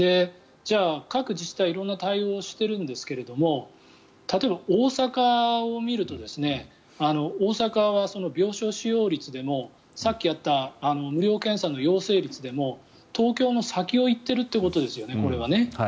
じゃあ、各自治体色んな対応をしてるんですけども例えば、大阪を見ると大阪は病床使用率でもさっきやった無料検査の陽性率でも東京の先を行っているということですよね。